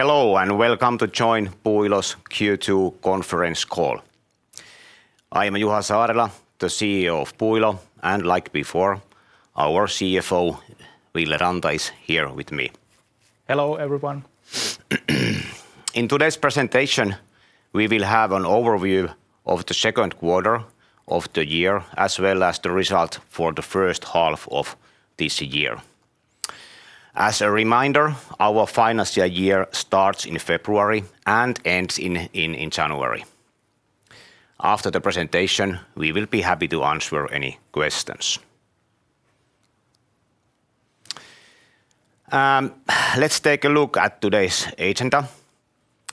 Hello, and welcome to join Puuilo's Q2 conference call. I am Juha Saarela, the CEO of Puuilo, and like before, our CFO, Ville Ranta, is here with me. Hello, everyone. In today's presentation, we will have an overview of the second quarter of the year, as well as the result for the first half of this year. As a reminder, our financial year starts in February and ends in January. After the presentation, we will be happy to answer any questions. Let's take a look at today's agenda.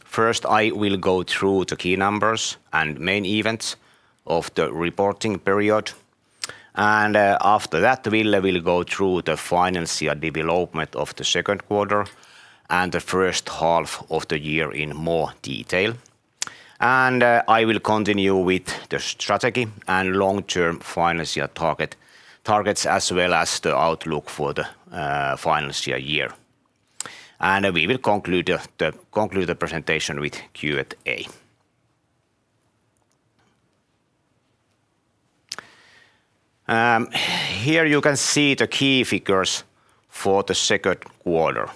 First, I will go through the key numbers and main events of the reporting period, and after that, Ville will go through the financial development of the second quarter and the first half of the year in more detail. And I will continue with the strategy and long-term financial targets, as well as the outlook for the financial year. And we will conclude the presentation with Q&A. Here you can see the key figures for the second quarter.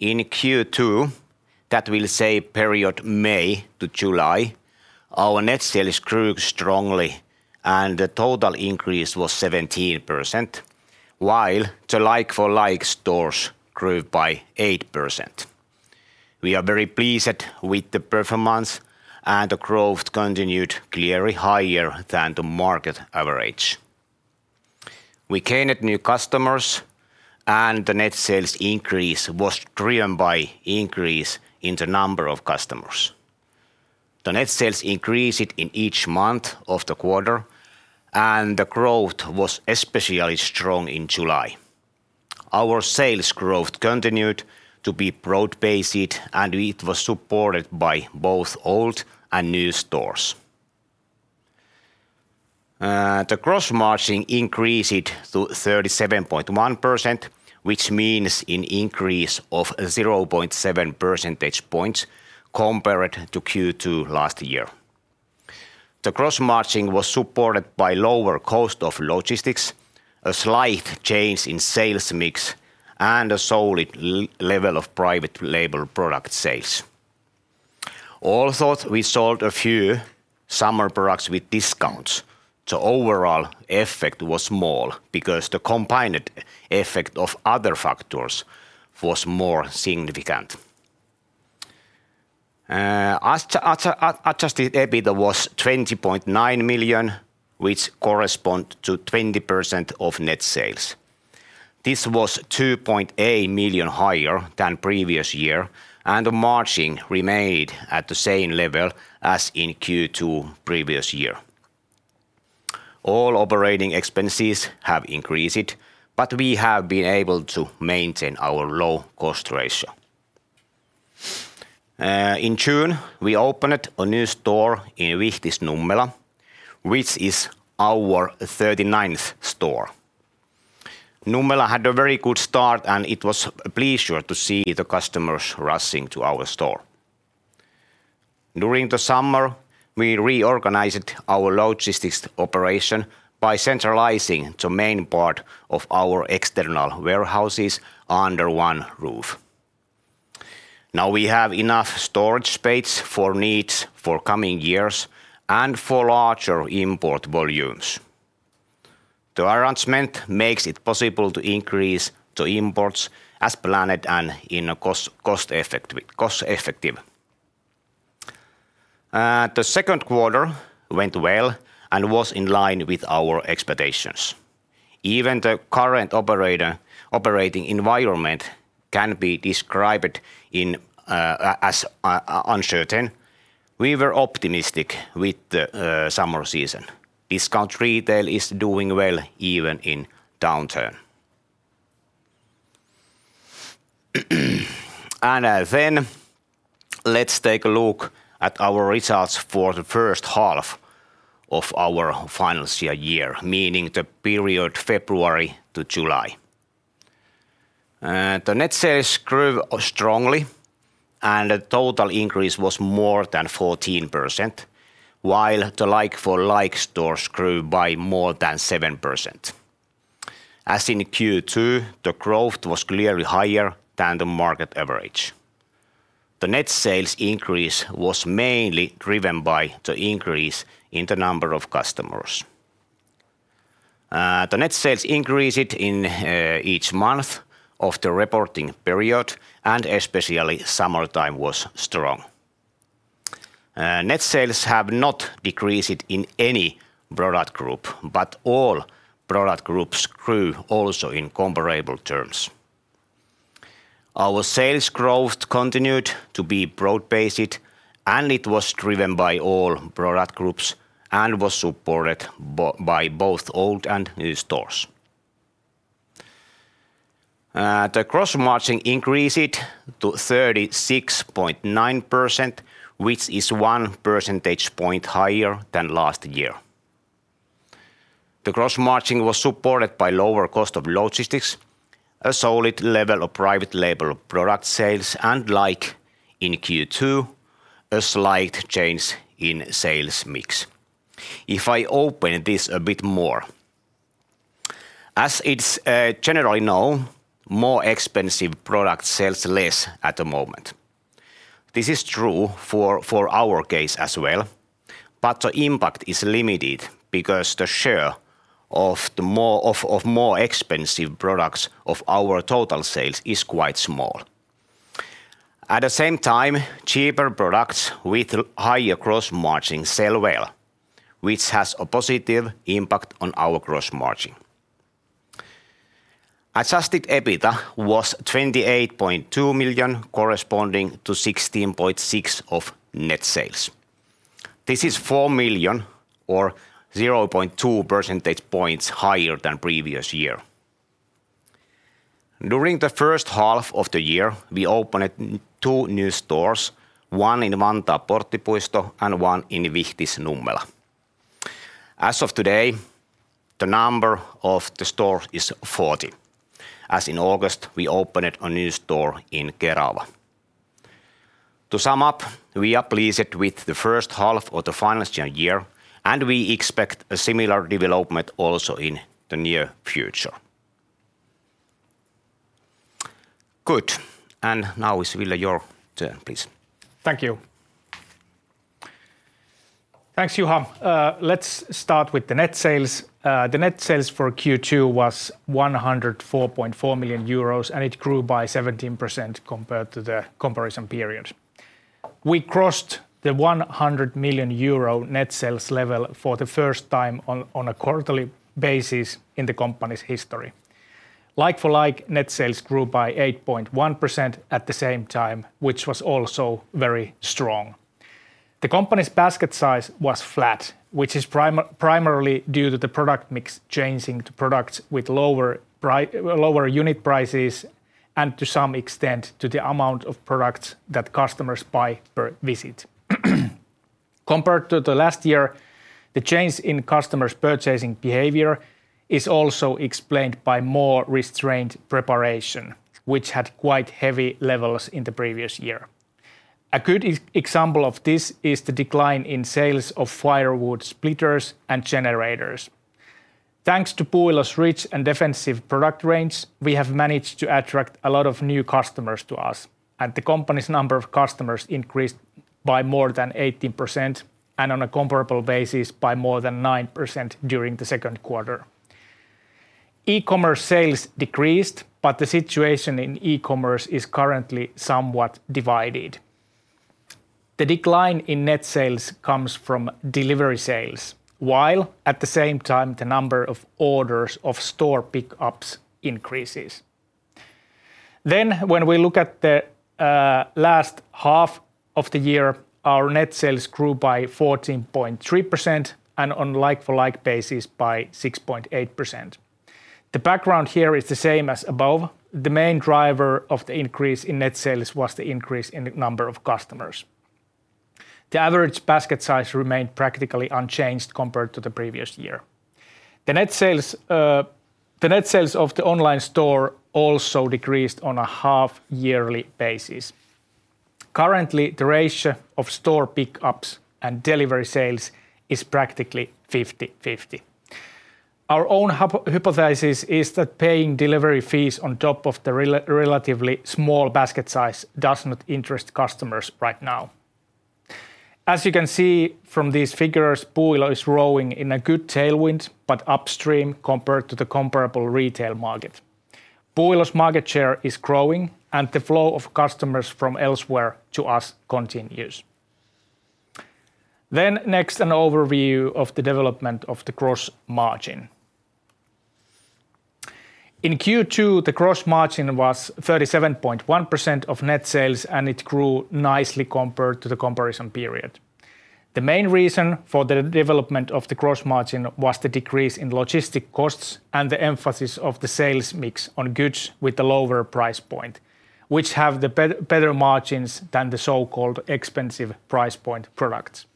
In Q2, that will say period May to July, our net sales grew strongly, and the total increase was 17%, while the like-for-like stores grew by 8%. We are very pleased with the performance, and the growth continued clearly higher than the market average. We gained new customers, and the net sales increase was driven by increase in the number of customers. The net sales increased in each month of the quarter, and the growth was especially strong in July. Our sales growth continued to be broad-based, and it was supported by both old and new stores. The gross margin increased to 37.1%, which means an increase of 0.7 percentage points compared to Q2 last year. The gross margin was supported by lower cost of logistics, a slight change in sales mix, and a solid level of private label product sales. Also, we sold a few summer products with discounts. The overall effect was small because the combined effect of other factors was more significant. As to Adjusted EBITDA was 20.9 million, which correspond to 20% of net sales. This was 2.8 million higher than previous year, and the margin remained at the same level as in Q2 previous year. All operating expenses have increased, but we have been able to maintain our low cost ratio. In June, we opened a new store in Vihti's Nummela, which is our thirty-ninth store. Nummela had a very good start, and it was a pleasure to see the customers rushing to our store. During the summer, we reorganized our logistics operation by centralizing the main part of our external warehouses under one roof. Now, we have enough storage space for needs for coming years and for larger import volumes. The arrangement makes it possible to increase the imports as planned and in a cost-effective way. The second quarter went well and was in line with our expectations. Even the current operating environment can be described as uncertain. We were optimistic with the summer season. Discount retail is doing well even in downturn. Then let's take a look at our results for the first half of our financial year, meaning the period February to July. The net sales grew strongly, and the total increase was more than 14%, while the like-for-like stores grew by more than 7%. As in Q2, the growth was clearly higher than the market average. The net sales increase was mainly driven by the increase in the number of customers. The net sales increased in each month of the reporting period, and especially summertime was strong. Net sales have not decreased in any product group, but all product groups grew also in comparable terms. Our sales growth continued to be broad-based, and it was driven by all product groups and was supported by both old and new stores. The gross margin increased to 36.9%, which is one percentage point higher than last year. The gross margin was supported by lower cost of logistics, a solid level of private label product sales, and like in Q2, a slight change in sales mix. If I open this a bit more, as it's generally known, more expensive product sells less at the moment. This is true for our case as well, but the impact is limited because the share of the more expensive products of our total sales is quite small. At the same time, cheaper products with higher gross margin sell well, which has a positive impact on our gross margin. Adjusted EBITDA was 28.2 million, corresponding to 16.6% of net sales. This is 4 million, or 0.2 percentage points higher than previous year. During the first half of the year, we opened two new stores, one in Vantaa, Porttipuisto, and one in Vihti, Nummela. As of today, the number of the stores is 40, as in August, we opened a new store in Kerava. To sum up, we are pleased with the first half of the financial year, and we expect a similar development also in the near future. Good. Now it's Ville, your turn, please. Thank you. Thanks, Juha. Let's start with the net sales. The net sales for Q2 was 104.4 million euros, and it grew by 17% compared to the comparison period. We crossed the 100 million euro net sales level for the first time on a quarterly basis in the company's history. Like-for-like net sales grew by 8.1% at the same time, which was also very strong. The company's basket size was flat, which is primarily due to the product mix changing to products with lower unit prices, and to some extent, to the amount of products that customers buy per visit. Compared to the last year, the change in customers' purchasing behavior is also explained by more restrained preparation, which had quite heavy levels in the previous year. A good example of this is the decline in sales of firewood splitters and generators. Thanks to Puuilo's rich and defensive product range, we have managed to attract a lot of new customers to us, and the company's number of customers increased by more than 18%, and on a comparable basis, by more than 9% during the second quarter, e-commerce sales decreased, but the situation in e-commerce is currently somewhat divided. The decline in net sales comes from delivery sales, while at the same time, the number of orders of store pickups increases. Then, when we look at the last half of the year, our net sales grew by 14.3%, and on like-for-like basis, by 6.8%. The background here is the same as above. The main driver of the increase in net sales was the increase in the number of customers. The average basket size remained practically unchanged compared to the previous year. The net sales of the online store also decreased on a half-yearly basis. Currently, the ratio of store pickups and delivery sales is practically 50/50. Our own hypothesis is that paying delivery fees on top of the relatively small basket size does not interest customers right now. As you can see from these figures, Puuilo is growing in a good tailwind, but outpacing compared to the comparable retail market. Puuilo's market share is growing, and the flow of customers from elsewhere to us continues. Next, an overview of the development of the gross margin. In Q2, the gross margin was 37.1% of net sales, and it grew nicely compared to the comparison period. The main reason for the development of the gross margin was the decrease in logistics costs and the emphasis of the sales mix on goods with a lower price point, which have the better margins than the so-called expensive price point products.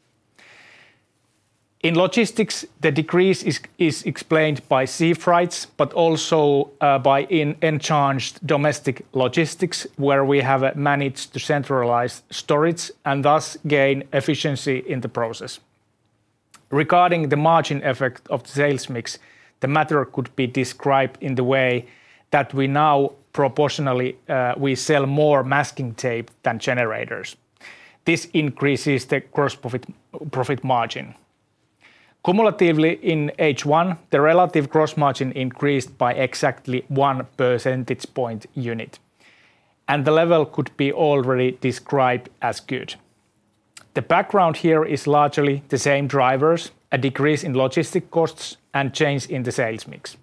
In logistics, the decrease is explained by sea freights, but also by enhanced domestic logistics, where we have managed to centralize storage and thus gain efficiency in the process. Regarding the margin effect of the sales mix, the matter could be described in the way that we now proportionally we sell more masking tape than generators. This increases the gross profit, profit margin. Cumulatively in H1, the relative gross margin increased by exactly one percentage point unit, and the level could be already described as good. The background here is largely the same drivers: a decrease in logistic costs and change in the sales mix.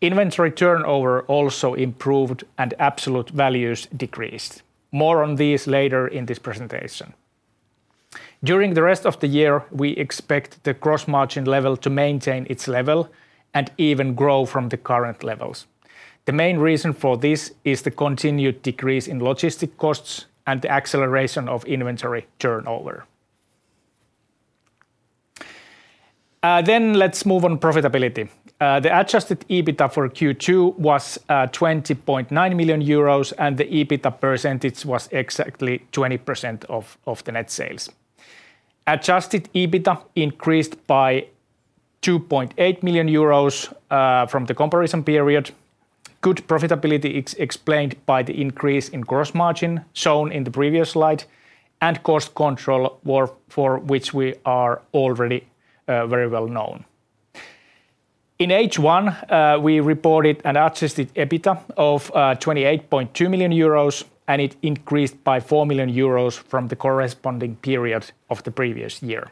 Inventory turnover also improved and absolute values decreased. More on these later in this presentation. During the rest of the year, we expect the gross margin level to maintain its level and even grow from the current levels. The main reason for this is the continued decrease in logistic costs and the acceleration of inventory turnover. Then let's move on profitability. The Adjusted EBITDA for Q2 was 20.9 million euros, and the EBITDA percentage was exactly 20% of the net sales. Adjusted EBITDA increased by 2.8 million euros from the comparison period. Good profitability explained by the increase in gross margin shown in the previous slide, and cost control, for which we are already very well known. In H1, we reported an Adjusted EBITDA of 28.2 million euros, and it increased by 4 million euros from the corresponding period of the previous year.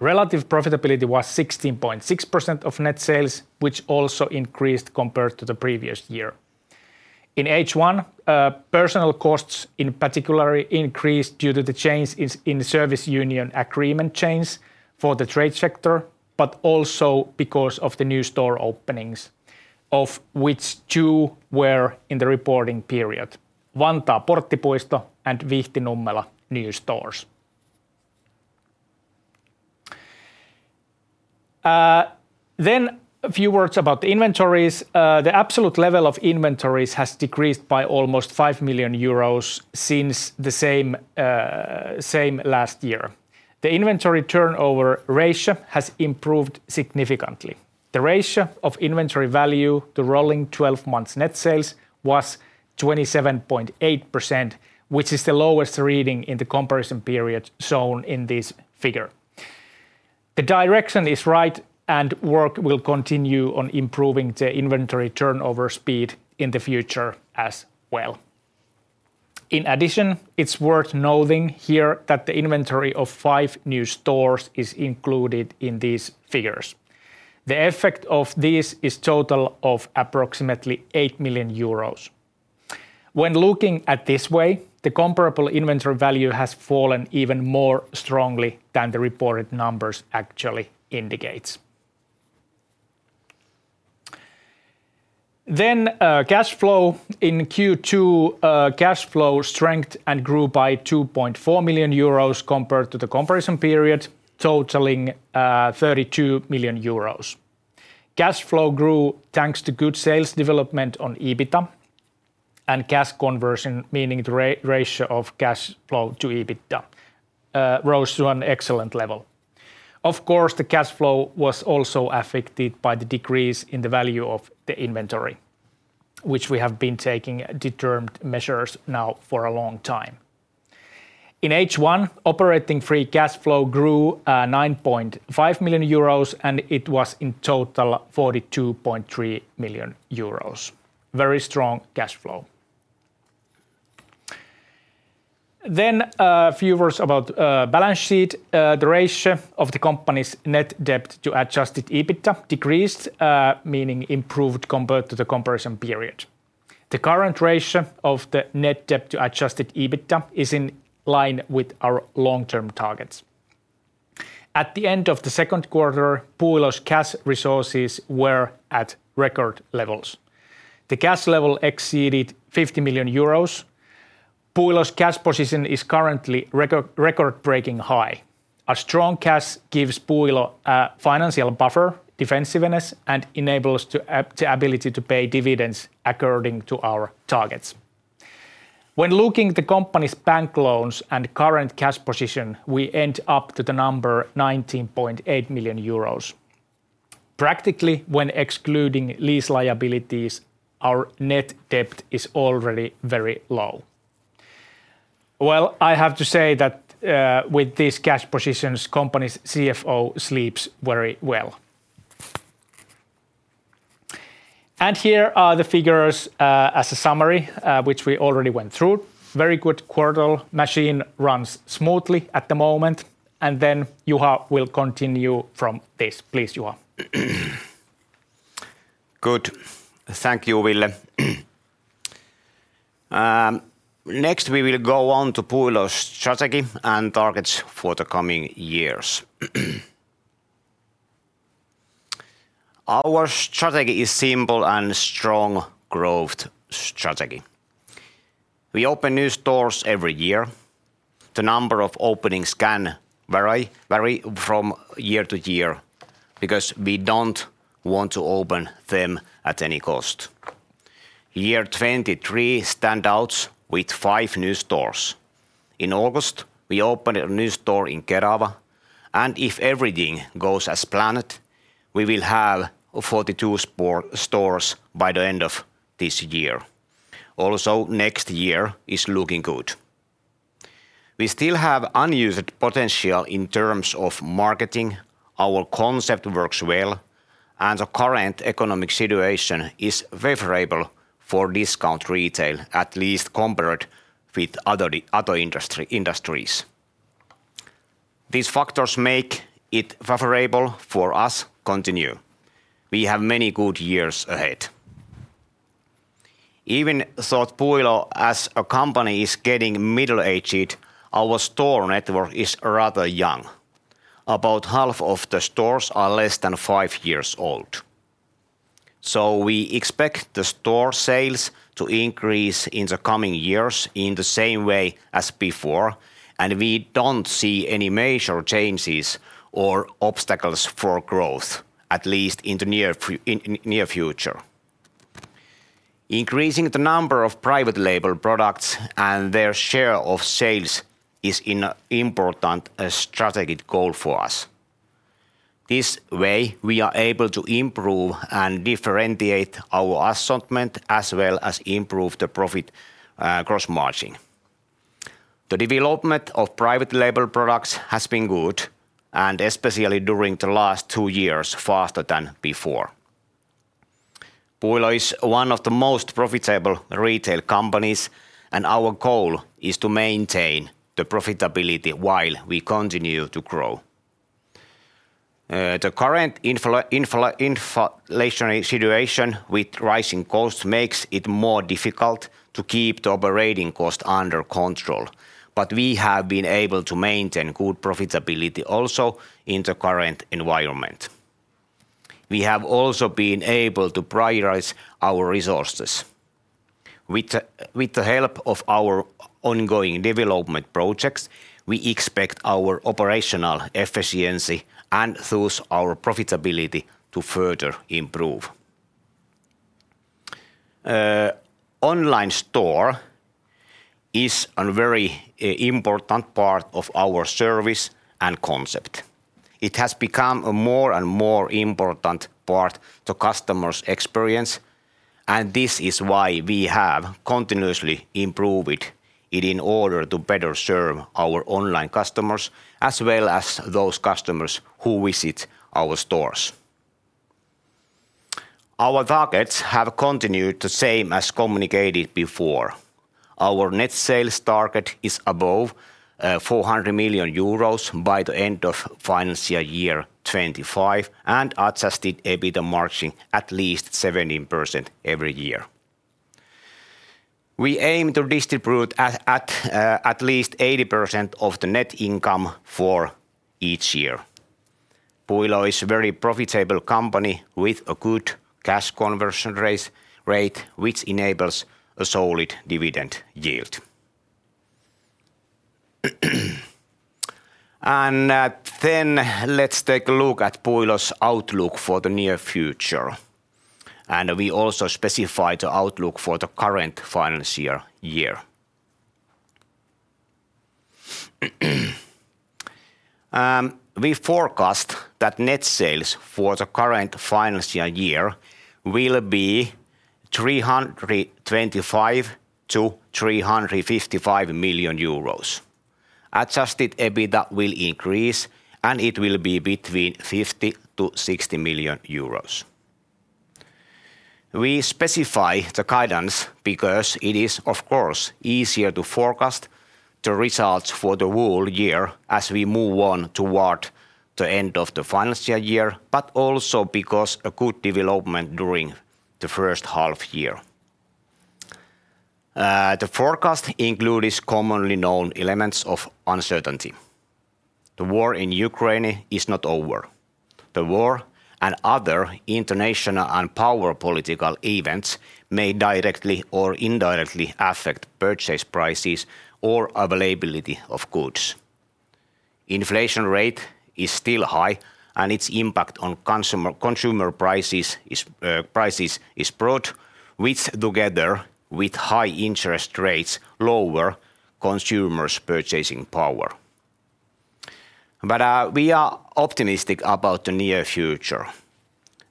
Relative profitability was 16.6% of net sales, which also increased compared to the previous year. In H1, personnel costs in particular increased due to the changes in the service union agreement change for the trade sector, but also because of the new store openings, of which two were in the reporting period: Vantaa Porttipuisto and Vihti Nummela new stores. Then a few words about the inventories. The absolute level of inventories has decreased by almost 5 million euros since the same last year. The inventory turnover ratio has improved significantly. The ratio of inventory value to rolling twelve months net sales was 27.8%, which is the lowest reading in the comparison period shown in this figure. The direction is right, and work will continue on improving the inventory turnover speed in the future as well. In addition, it's worth noting here that the inventory of five new stores is included in these figures. The effect of this is total of approximately 8 million euros. When looking at this way, the comparable inventory value has fallen even more strongly than the reported numbers actually indicates. Then, cash flow. In Q2, cash flow strengthened and grew by 2.4 million euros compared to the comparison period, totaling 32 million euros. Cash flow grew thanks to good sales development on EBITDA and cash conversion, meaning the ratio of cash flow to EBITDA rose to an excellent level. Of course, the cash flow was also affected by the decrease in the value of the inventory, which we have been taking determined measures now for a long time. In H1, operating free cash flow grew 9.5 million euros, and it was in total 42.3 million euros. Very strong cash flow. Then, a few words about balance sheet. The ratio of the company's net debt to Adjusted EBITDA decreased, meaning improved compared to the comparison period. The current ratio of the net debt to Adjusted EBITDA is in line with our long-term targets. At the end of the second quarter, Puuilo's cash resources were at record levels. The cash level exceeded 50 million euros. Puuilo's cash position is currently record, record-breaking high. A strong cash gives Puuilo a financial buffer, defensiveness, and enables to the ability to pay dividends according to our targets. When looking the company's bank loans and current cash position, we end up to the number 19.8 million euros. Practically, when excluding lease liabilities, our net debt is already very low. Well, I have to say that, with these cash positions, company's CFO sleeps very well. And here are the figures, as a summary, which we already went through. Very good quarter. Machine runs smoothly at the moment, and then Juha will continue from this. Please, Juha. Good. Thank you, Ville. Next, we will go on to Puuilo's strategy and targets for the coming years. Our strategy is simple and strong growth strategy. We open new stores every year. The number of openings can vary from year to year because we don't want to open them at any cost. Year 2023 stands out with five new stores. In August, we opened a new store in Kerava, and if everything goes as planned, we will have 42 stores by the end of this year. Also, next year is looking good. We still have unused potential in terms of marketing. Our concept works well, and the current economic situation is favorable for discount retail, at least compared with other industry, industries. These factors make it favorable for us continue. We have many good years ahead. Even though Puuilo as a company is getting middle-aged, our store network is rather young. About half of the stores are less than five years old. So we expect the store sales to increase in the coming years in the same way as before, and we don't see any major changes or obstacles for growth, at least in the near future. Increasing the number of private label products and their share of sales is an important strategic goal for us. This way, we are able to improve and differentiate our assortment, as well as improve the profit gross margin. The development of private label products has been good, and especially during the last two years, faster than before. Puuilo is one of the most profitable retail companies, and our goal is to maintain the profitability while we continue to grow. The current inflationary situation with rising costs makes it more difficult to keep the operating cost under control, but we have been able to maintain good profitability also in the current environment. We have also been able to prioritize our resources. With the help of our ongoing development projects, we expect our operational efficiency, and thus our profitability, to further improve. Online store is a very important part of our service and concept. It has become a more and more important part to customers' experience, and this is why we have continuously improved it in order to better serve our online customers, as well as those customers who visit our stores. Our targets have continued the same as communicated before. Our net sales target is above 400 million euros by the end of financial year 2025, and Adjusted EBITDA margin at least 17% every year. We aim to distribute at least 80% of the net income for each year. Puuilo is a very profitable company with a good cash conversion rate, which enables a solid dividend yield. Then let's take a look at Puuilo's outlook for the near future, and we also specify the outlook for the current financial year. We forecast that net sales for the current financial year will be 325 million-355 million euros. Adjusted EBITDA will increase, and it will be between 50 million-60 million euros. We specify the guidance because it is, of course, easier to forecast the results for the whole year as we move on toward the end of the financial year, but also because a good development during the first half year. The forecast includes commonly known elements of uncertainty. The war in Ukraine is not over. The war and other international and power political events may directly or indirectly affect purchase prices or availability of goods. Inflation rate is still high, and its impact on consumer prices is broad, which, together with high interest rates, lower consumers' purchasing power. But, we are optimistic about the near future.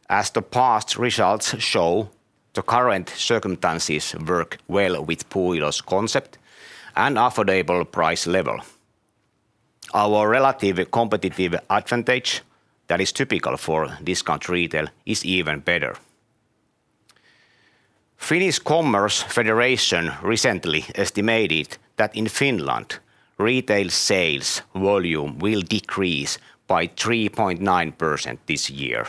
As the past results show, the current circumstances work well with Puuilo's concept and affordable price level. Our relative competitive advantage, that is typical for discount retail, is even better. Finnish Commerce Federation recently estimated that in Finland, retail sales volume will decrease by 3.9% this year,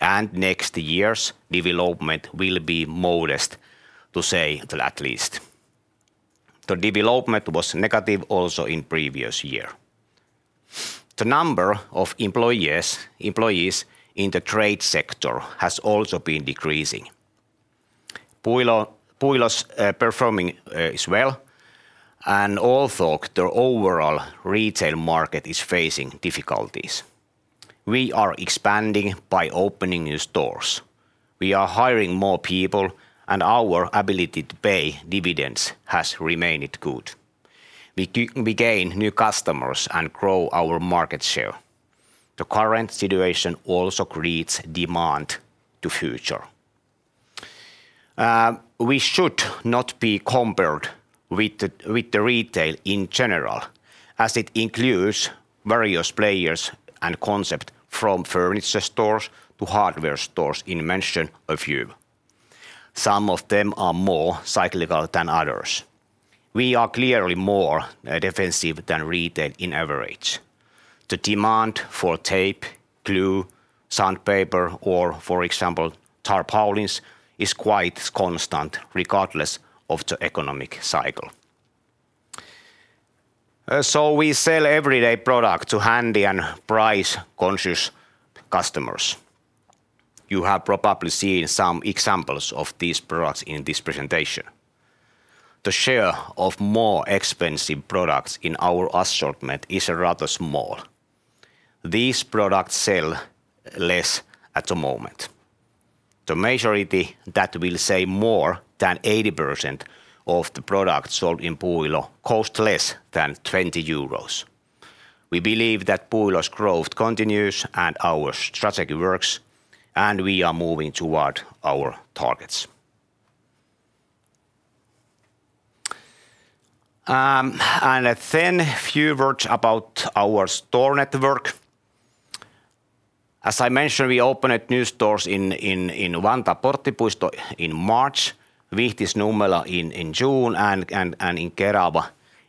and next year's development will be modest, to say the least. The development was negative also in previous year. The number of employees, employees in the trade sector has also been decreasing. Puuilo's performing as well, and although the overall retail market is facing difficulties, we are expanding by opening new stores. We are hiring more people, and our ability to pay dividends has remained good. We gain new customers and grow our market share. The current situation also creates demand to future. We should not be compared with the retail in general, as it includes various players and concept from furniture stores to hardware stores, to mention a few. Some of them are more cyclical than others. We are clearly more defensive than retail in average. The demand for tape, glue, sandpaper, or for example, tarpaulins, is quite constant regardless of the economic cycle. So we sell everyday product to handy and price-conscious customers. You have probably seen some examples of these products in this presentation. The share of more expensive products in our assortment is rather small. These products sell less at the moment. The majority, that will say more than 80% of the products sold in Puuilo, cost less than 20 euros. We believe that Puuilo's growth continues, and our strategy works, and we are moving toward our targets. And then few words about our store network. As I mentioned, we opened new stores in Vantaa Porttipuisto in March, Vihti Nummela in June, and in Kerava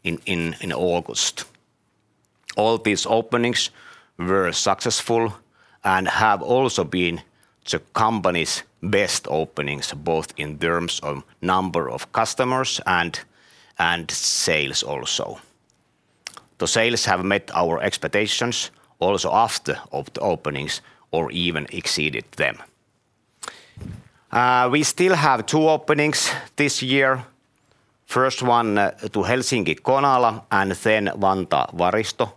in August. All these openings were successful and have also been the company's best openings, both in terms of number of customers and sales also. The sales have met our expectations also after the openings or even exceeded them. We still have two openings this year. First one to Helsinki Konala, and then Vantaa Varisto,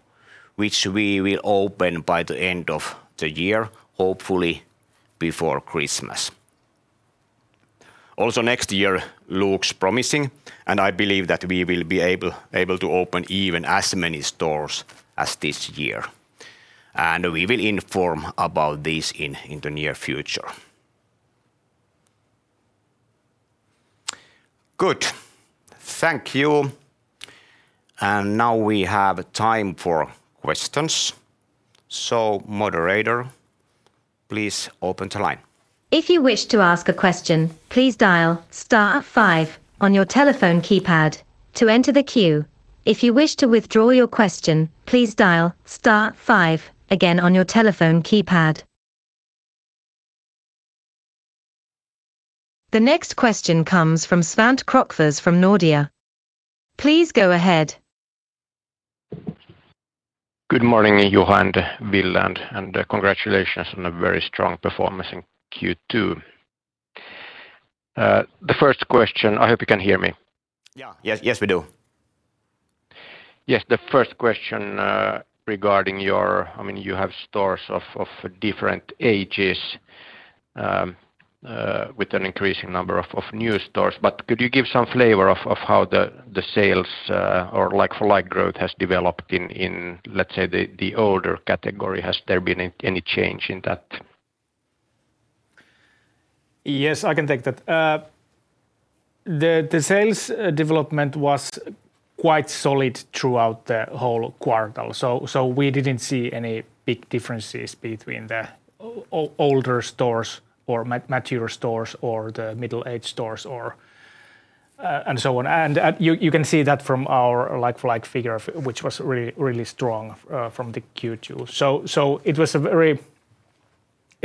which we will open by the end of the year, hopefully before Christmas. Next year looks promising, and I believe that we will be able to open even as many stores as this year, and we will inform about this in the near future. Good. Thank you. Now we have time for questions. So moderator, please open the line. If you wish to ask a question, please dial star five on your telephone keypad to enter the queue. If you wish to withdraw your question, please dial star five again on your telephone keypad. The next question comes from Svante Krokfors from Nordea. Please go ahead. Good morning, Juha and Ville, and congratulations on a very strong performance in Q2. The first question... I hope you can hear me. Yeah. Yes, yes, we do. Yes, the first question regarding your... I mean, you have stores of different ages with an increasing number of new stores, but could you give some flavor of how the sales or like-for-like growth has developed in, let's say, the older category? Has there been any change in that? Yes, I can take that. The sales development was quite solid throughout the whole quarter, so we didn't see any big differences between the older stores or mature stores or the middle-aged stores or, and so on. And you can see that from our like-for-like figure, of which was really, really strong from the Q2. So it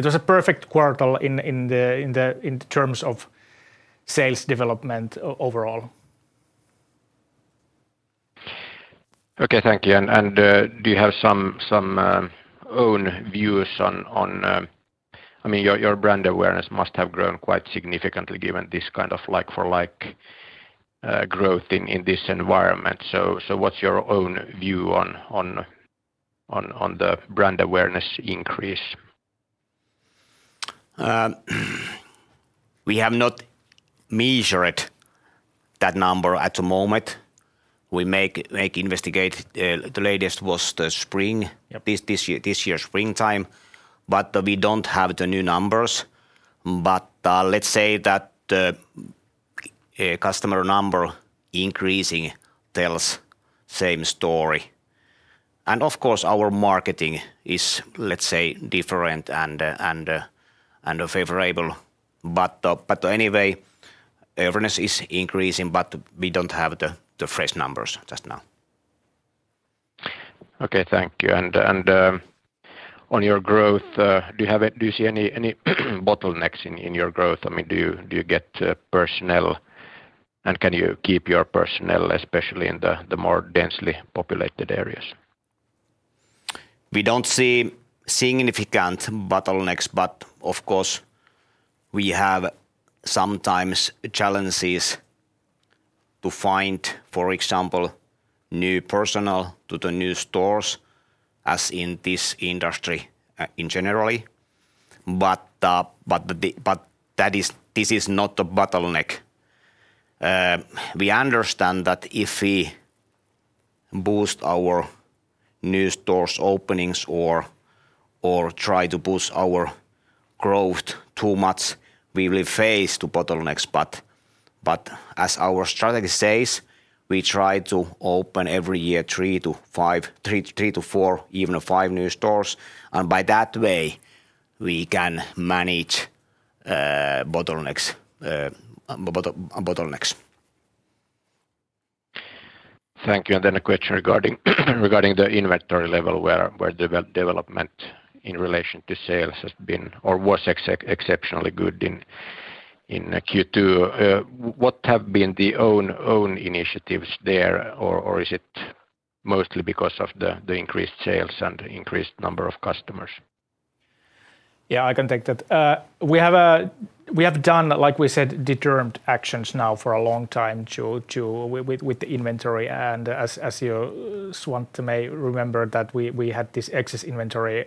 was a perfect quarter in terms of sales development overall. Okay, thank you. Do you have some own views on... I mean, your brand awareness must have grown quite significantly given this kind of like-for-like growth in this environment. So what's your own view on the brand awareness increase? We have not measured that number at the moment. We make investigate. The latest was the spring- Yeah... this year, this year's springtime, but we don't have the new numbers. But let's say that the customer number increasing tells same story. And of course, our marketing is, let's say, different and favorable. But anyway, awareness is increasing, but we don't have the fresh numbers just now. Okay, thank you. On your growth, do you see any bottlenecks in your growth? I mean, do you get personnel, and can you keep your personnel, especially in the more densely populated areas? We don't see significant bottlenecks, but of course, we have sometimes challenges to find, for example, new personnel to the new stores, as in this industry, in general. But that is, this is not a bottleneck. We understand that if we boost our new stores openings or try to boost our growth too much, we will face the bottlenecks. But as our strategy says, we try to open every year three-five, three-four, even five new stores, and by that way, we can manage bottlenecks. Thank you. And then a question regarding the inventory level, where development in relation to sales has been or was exceptionally good in Q2, what have been the own initiatives there? Or is it mostly because of the increased sales and increased number of customers? Yeah, I can take that. We have done, like we said, determined actions now for a long time to with the inventory. And as you, Svante, may remember that we had this excess inventory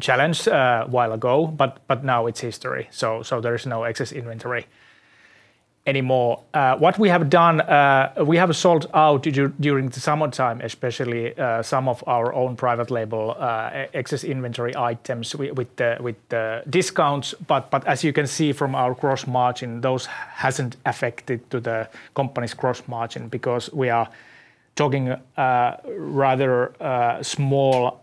challenge while ago, but now it's history, so there is no excess inventory anymore. What we have done, we have sold out during the summertime, especially, some of our own private label excess inventory items with the discounts. But as you can see from our gross margin, those hasn't affected to the company's gross margin, because we are talking rather small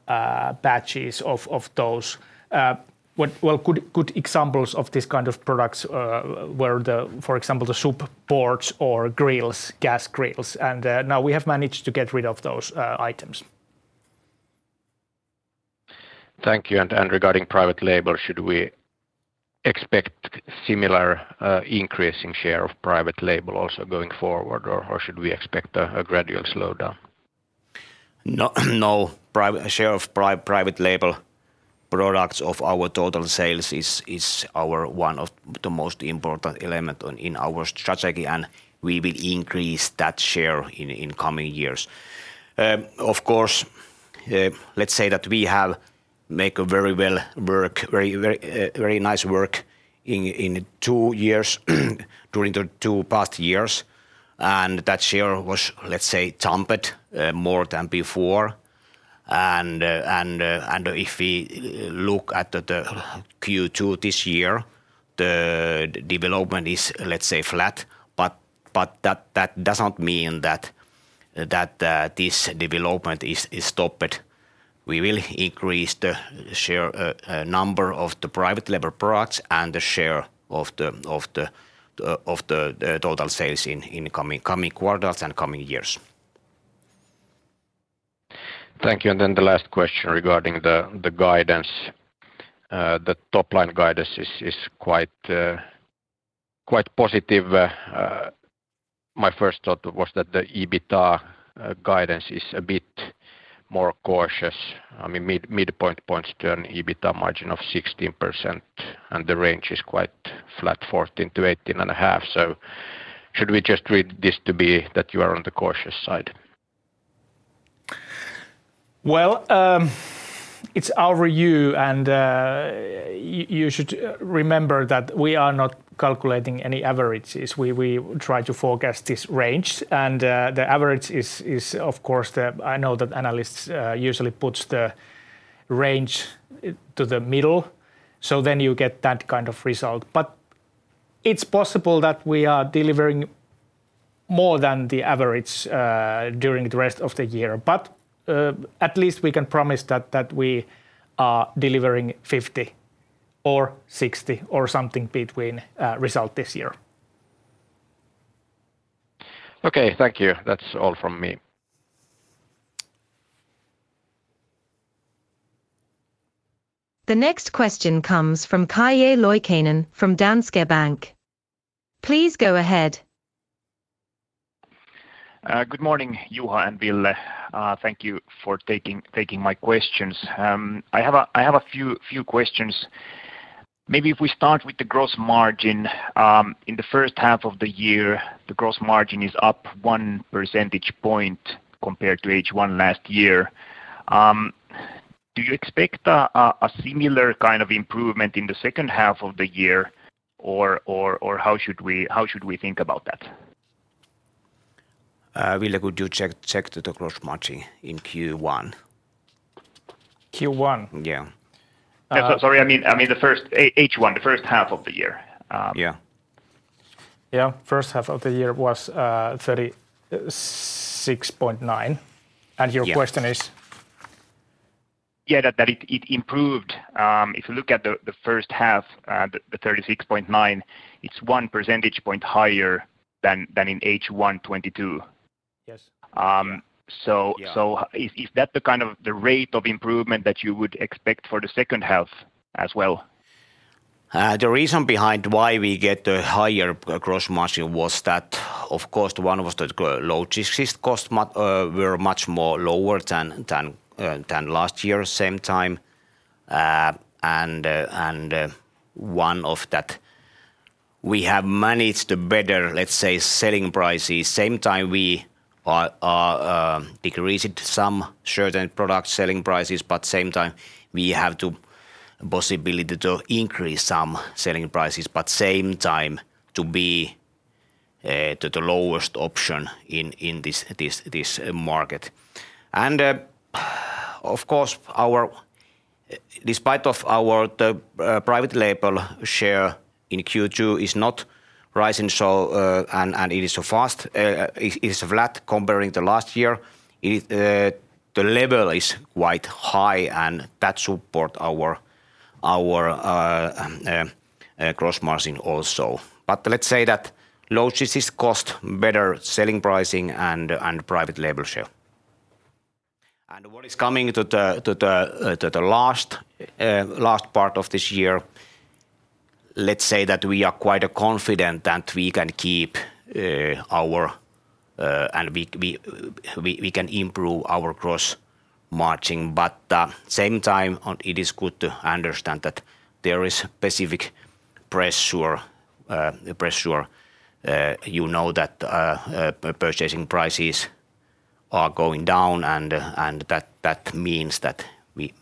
batches of those. What... Well, good examples of this kind of products were, for example, the SUP boards or grills, gas grills, and now we have managed to get rid of those items. Thank you. And regarding private label, should we expect similar increasing share of private label also going forward, or should we expect a gradual slowdown? No. No, share of private label products of our total sales is our one of the most important element in our strategy, and we will increase that share in coming years. Of course, let's say that we have make a very well work, very, very, very nice work in two years, during the two past years, and that share was, let's say, trumped more than before. And if we look at the Q2 this year, the development is, let's say, flat, but that doesn't mean that this development is stopped. We will increase the share number of the private label products and the share of the total sales in the coming quarters and coming years. Thank you. Then the last question regarding the guidance. The top-line guidance is quite positive. My first thought was that the EBITDA guidance is a bit more cautious. I mean, the midpoint points to an EBITDA margin of 16%, and the range is quite flat, 14%-18.5%. So should we just read this to be that you are on the cautious side? Well, it's our review, and you should remember that we are not calculating any averages. We try to forecast this range, and the average is, of course, the... I know that analysts usually puts the range to the middle, so then you get that kind of result. But it's possible that we are delivering more than the average during the rest of the year. But at least we can promise that we are delivering 50 or 60 or something between result this year. Okay. Thank you. That's all from me. The next question comes from Calle Loikkanen from Danske Bank. Please go ahead. Good morning, Juha and Ville. Thank you for taking my questions. I have a few questions. Maybe if we start with the gross margin. In the first half of the year, the gross margin is up one percentage point compared to H1 last year. Do you expect a similar kind of improvement in the second half of the year, or how should we think about that? Ville, could you check the gross margin in Q1? Q1? Yeah. So sorry, I mean, H1, the first half of the year. Yeah. Yeah, first half of the year was 36.9. Yeah. Your question is? Yeah, that it improved. If you look at the first half, the 36.9, it's 1 percentage point higher than in H1 2022. Yes. Yeah. Um, so- Yeah... so is that the kind of the rate of improvement that you would expect for the second half as well? The reason behind why we get a higher gross margin was that, of course, one was the logistics cost were much more lower than last year same time. And one of that we have managed to better, let's say, selling prices. Same time we are decreased some certain product selling prices, but same time, we have to possibility to increase some selling prices, but same time to be the lowest option in this market. And, of course, our... Despite of our the private label share in Q2 is not rising, so, and it is so fast, it's flat comparing to last year. It the level is quite high, and that support our gross margin also. But let's say that logistics cost, better selling pricing, and private label share. And what is coming to the last part of this year, let's say that we are quite confident that we can keep our and we can improve our gross margin. But same time, on it is good to understand that there is specific pressure, you know, that purchasing prices are going down, and that means that we...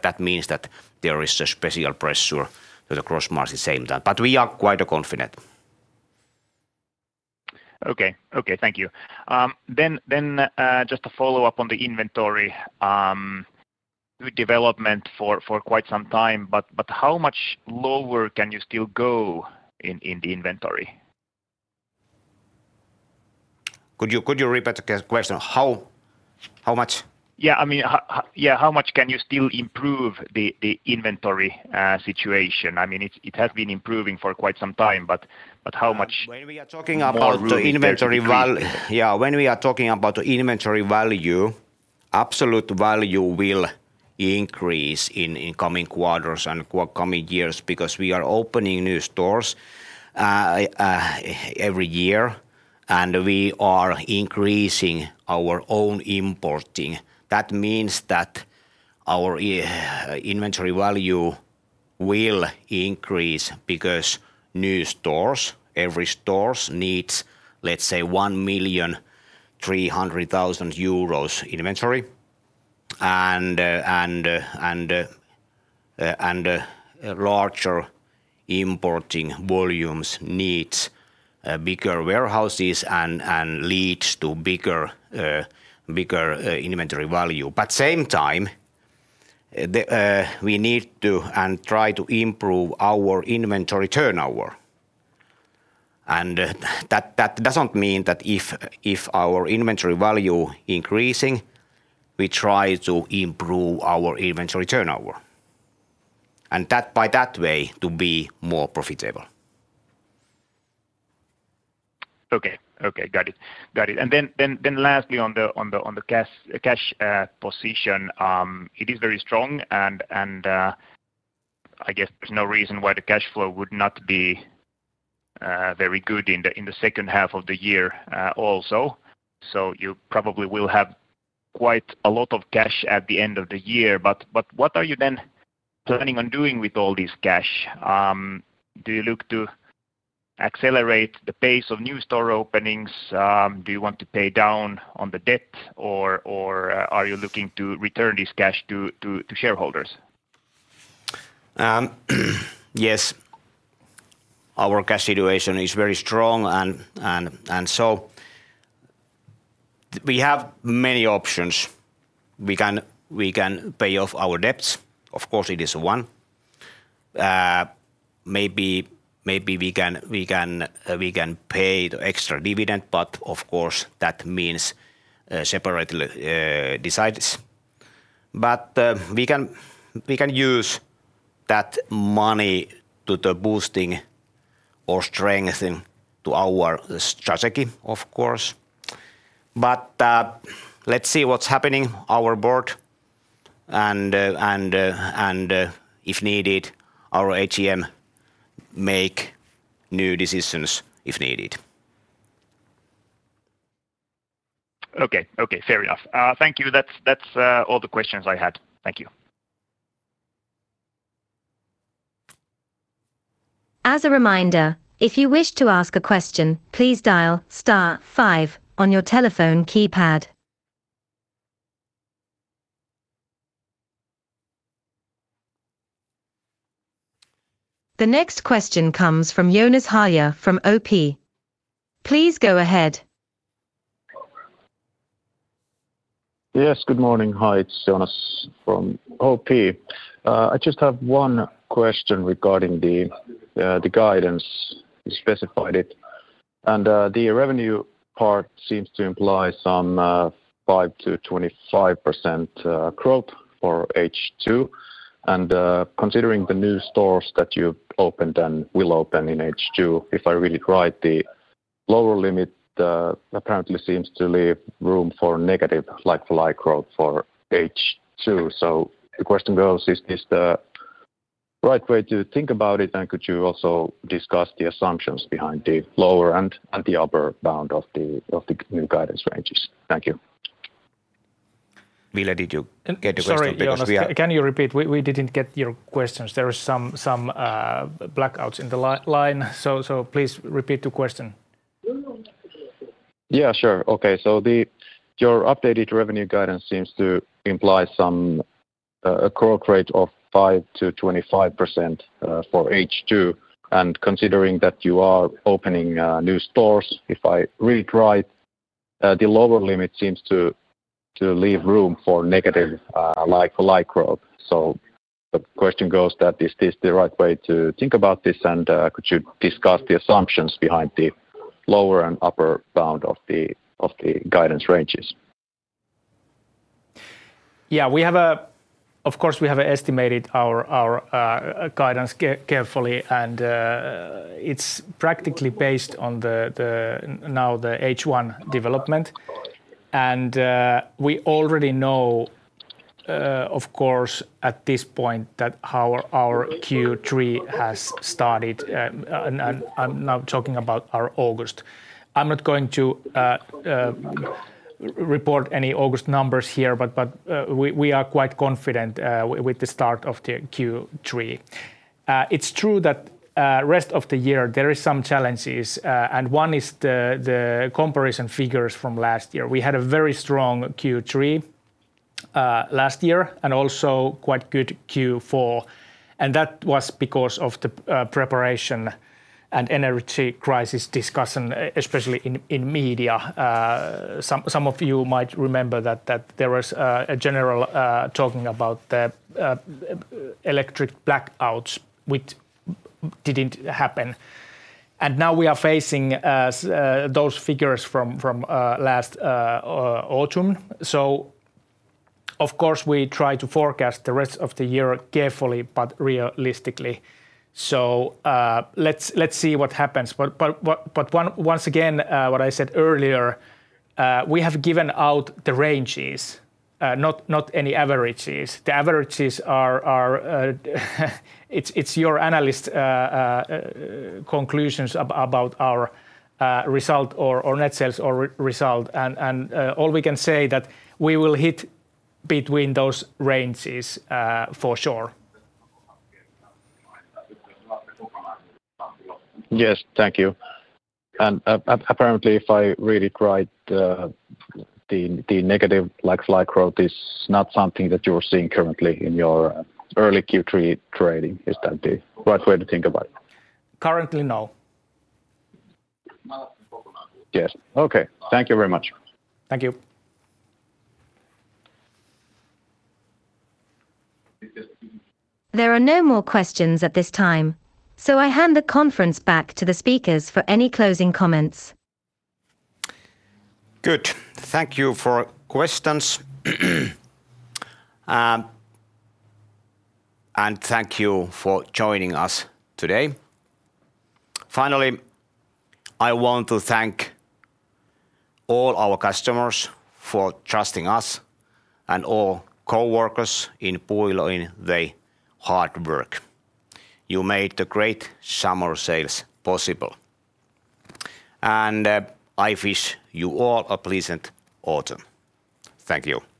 That means that there is a special pressure to the gross margin same time, but we are quite confident. Okay. Okay, thank you. Then, just to follow up on the inventory, good development for quite some time, but how much lower can you still go in the inventory? Could you repeat the question? How much? Yeah, I mean, yeah, how much can you still improve the, the inventory situation? I mean, it has been improving for quite some time, but, but how much- When we are talking about- More room to decrease.... the inventory value... Yeah, when we are talking about the inventory value, absolute value will increase in coming quarters and coming years because we are opening new stores every year, and we are increasing our own importing. That means that our inventory value will increase because new stores, every stores needs, let's say, 1.3 million inventory. And larger importing volumes needs bigger warehouses and leads to bigger inventory value. But same time, we need to and try to improve our inventory turnover. And that doesn't mean that if our inventory value increasing, we try to improve our inventory turnover, and by that way, to be more profitable. Okay. Okay. Got it. Got it. And then lastly on the cash position, it is very strong and I guess there's no reason why the cash flow would not be very good in the second half of the year also. So you probably will have quite a lot of cash at the end of the year, but what are you then planning on doing with all this cash? Do you look to accelerate the pace of new store openings? Do you want to pay down on the debt, or are you looking to return this cash to shareholders? Yes, our cash situation is very strong and so we have many options. We can pay off our debts. Of course, it is one. Maybe we can pay the extra dividend, but of course, that means separately decides. But we can use that money to the boosting or strengthening to our strategy, of course. But let's see what's happening. Our board and, if needed, our AGM make new decisions if needed. Okay. Okay. Fair enough. Thank you. That's, that's all the questions I had. Thank you. As a reminder, if you wish to ask a question, please dial star five on your telephone keypad. The next question comes from Joonas Häyhä from OP. Please go ahead. Yes, good morning. Hi, it's Joonas from OP. I just have one question regarding the guidance. You specified it, and the revenue part seems to imply some 5%-25% growth for H2. And considering the new stores that you've opened and will open in H2, if I read it right, the lower limit apparently seems to leave room for negative like-for-like growth for H2. So the question goes, is this the right way to think about it? And could you also discuss the assumptions behind the lower and the upper bound of the new guidance ranges? Thank you. Ville, did you get the question? Because we are- Sorry, Joonas, can you repeat? We didn't get your questions. There is some blackouts in the line, so please repeat the question. Yeah, sure. Okay. So the... Your updated revenue guidance seems to imply some, a growth rate of 5%-25% for H2. And considering that you are opening new stores, if I read right, the lower limit seems to leave room for negative like-for-like growth. So the question goes that, is this the right way to think about this, and could you discuss the assumptions behind the lower and upper bound of the guidance ranges?... Yeah, of course, we have estimated our guidance carefully, and it's practically based on the now the H1 development. And we already know, of course, at this point that our Q3 has started. I'm now talking about our August. I'm not going to report any August numbers here, but we are quite confident with the start of the Q3. It's true that rest of the year there is some challenges, and one is the comparison figures from last year. We had a very strong Q3 last year, and also quite good Q4, and that was because of the preparation and energy crisis discussion, especially in media. Some of you might remember that there was a general talking about the electric blackouts, which didn't happen. And now we are facing those figures from last autumn. So of course, we try to forecast the rest of the year carefully but realistically. So let's see what happens. But once again, what I said earlier, we have given out the ranges, not any averages. The averages are, it's your analyst conclusions about our result or net sales or result. And all we can say that we will hit between those ranges, for sure. Yes, thank you. Apparently, if I read it right, the negative like-for-like growth is not something that you're seeing currently in your early Q3 trading. Is that the right way to think about it? Currently, no. Yes. Okay. Thank you very much. Thank you. There are no more questions at this time, so I hand the conference back to the speakers for any closing comments. Good. Thank you for questions, and thank you for joining us today. Finally, I want to thank all our customers for trusting us and all coworkers in Puuilo in the hard work. You made the great summer sales possible. I wish you all a pleasant autumn. Thank you!